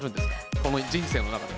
この人生の中で。